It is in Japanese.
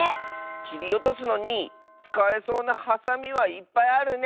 きりおとすのにつかえそうなハサミはいっぱいあるね。